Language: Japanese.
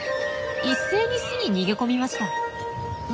一斉に巣に逃げ込みました。